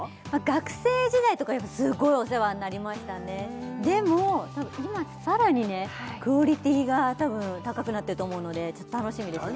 学生時代とかやっぱすごいお世話になりましたねでも今さらにねクオリティがたぶん高くなってると思うので楽しみですね